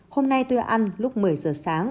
hôm nay tôi ăn lúc một mươi giờ sáng